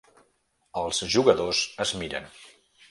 Els jugadors es miren.